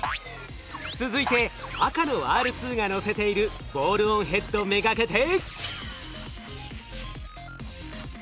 続いて赤のＲ２がのせているボールオンヘッド目がけて。